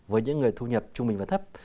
với những người thu nhập trung bình và thấp